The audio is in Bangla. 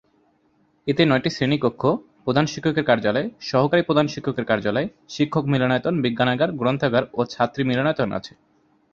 এতে নয়টি শ্রেণীকক্ষ, প্রধান শিক্ষকের কার্যালয়, সহকারী প্রধান শিক্ষকের কার্যালয়, শিক্ষক মিলনায়তন, বিজ্ঞানাগার, গ্রন্থাগার ও ছাত্রী মিলনায়তন আছে।